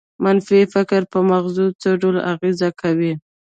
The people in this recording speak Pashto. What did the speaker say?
منفي فکر په مغز څه ډول اغېز کوي؟